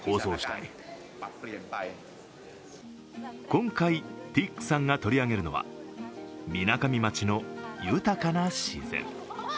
今回、ティックさんが取り上げるのはみなかみ町の豊かな自然。